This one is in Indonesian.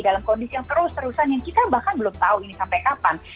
dalam kondisi yang terus terusan yang kita bahkan belum tahu ini sampai kapan